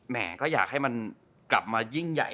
แห่ก็อยากให้มันกลับมายิ่งใหญ่